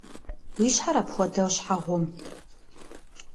Уи щхьэр апхуэдэу щхьэ гъум?